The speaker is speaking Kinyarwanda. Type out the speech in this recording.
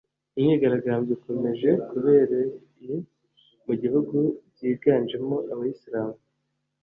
Imyigaragambyo ikomeje kubereye mu gihugu byiganjemo abayisilamu